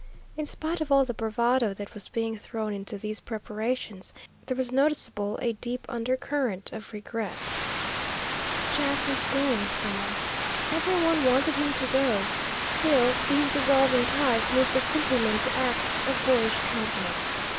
In spite of all the bravado that was being thrown into these preparations, there was noticeable a deep undercurrent of regret. Jack was going from us. Every one wanted him to go, still these dissolving ties moved the simple men to acts of boyish kindness.